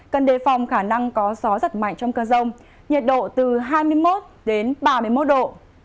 cần đề phòng khả năng có gió giật mạnh trong cơn rông nhiệt độ từ hai mươi một đến ba mươi một độ